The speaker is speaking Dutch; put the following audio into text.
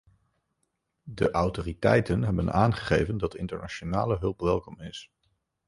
De autoriteiten hebben aangegeven dat internationale hulp welkom is.